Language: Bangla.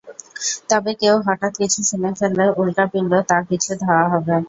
তবে কেউ হঠাৎ কিছু শুনে ফেললে উল্কাপিণ্ড তার পিছু ধাওয়া করে।